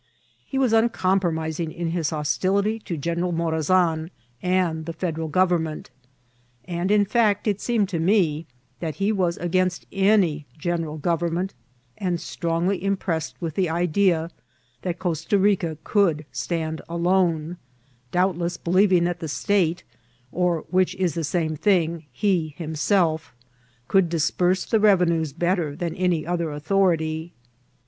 He was uncompromising in his hostility to General Morazan and the Federal Got emment, and, in fisu^t, it seemed to me that he was against any general government, and strongly impressed with the idea that Costa Rica could stand alone; doubtless believing that the state, or, which is the same thing, he himself, could disburse the revenues better than any other authority.